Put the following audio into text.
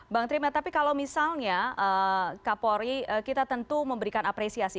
bang trima tapi kalau misalnya kapolri kita tentu memberikan apresiasi